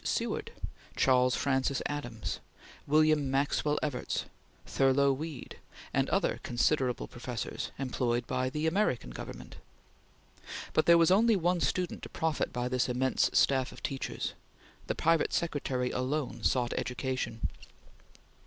Seward, Charles Francis Adams, William Maxwell Evarts, Thurlow Weed, and other considerable professors employed by the American Government; but there was only one student to profit by this immense staff of teachers. The private secretary alone sought education.